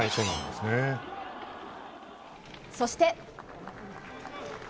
そして。